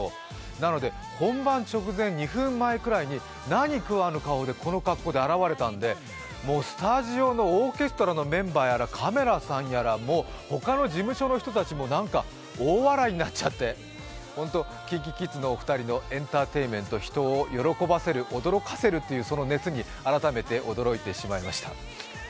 なので本番直前２分くらい前に何食わぬ顔でこの格好で現れたのでもうスタジオのオーケストラのメンバーやらカメラさんやらもう他の事務所の人たちも大笑いになっちゃって、ＫｉｎＫｉＫｉｄｓのお二人のエンターテインメント、人を喜ばせる、驚かせる、その熱に改めて驚いてしまいました。